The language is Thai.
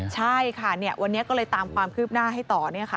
ใช่ค่ะวันนี้ก็เลยตามความคืบหน้าให้ต่อ